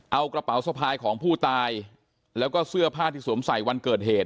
เอากระเป๋าสะพายของผู้ตายแล้วก็เสื้อผ้าที่สวมใส่วันเกิดเหตุ